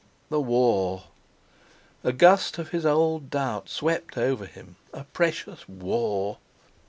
The war! A gust of his old doubt swept over him. A precious war!